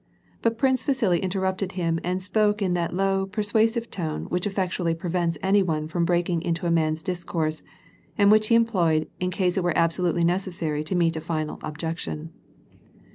But Prince Vasili interrupted him and spoke on in that low, persuasive tone which effectually prevents any one from hreaking into a man's discourse, and which he employed in case it were absolutely necessary to meet a final objection.